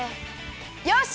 よし！